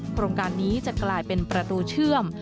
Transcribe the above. โครงการนี้จะกลายเป็นประตูเชื่อม